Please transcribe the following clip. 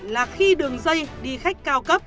là khi đường dây đi khách cao cấp